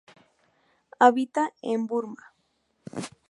Habita en Burma.